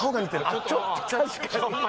ちょっと確かに。